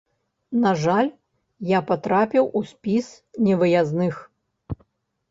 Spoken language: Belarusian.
На жаль, я патрапіў у спіс невыязных.